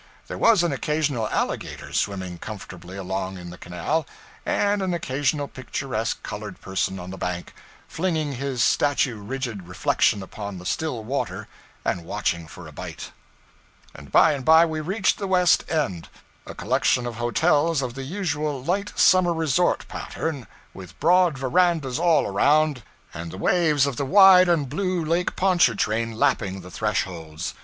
There was an occasional alligator swimming comfortably along in the canal, and an occasional picturesque colored person on the bank, flinging his statue rigid reflection upon the still water and watching for a bite. And by and bye we reached the West End, a collection of hotels of the usual light summer resort pattern, with broad verandas all around, and the waves of the wide and blue Lake Pontchartrain lapping the thresholds.